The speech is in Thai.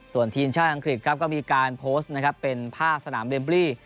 ส่วนทีมชาติอังกฤษก็มีการโพสต์เป็นผ้าสนามเบมบลี่